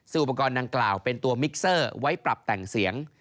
ซึ่งอุปกรณ์ดังกล่าวเป็นตัวมิกเซอร์ไว้ปรับแต่งเสียง